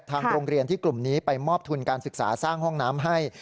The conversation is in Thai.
ทางโรงเรียนที่กลุ่มนี้ไปมอบทุนการศึกษาสร้างห้องน้ำให้